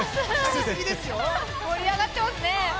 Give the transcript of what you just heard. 盛り上がっていますね。